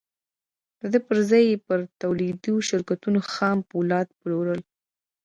د دې پر ځای يې پر توليدي شرکتونو خام پولاد پلورل.